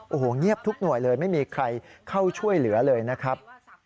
โอ้โหเงียบทุกหน่วยเลยไม่มีใครเข้าช่วยเหลือเลยนะครับ